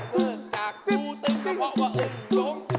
เมื่อจากกูตึงแต่เพราะว่าอึดหลง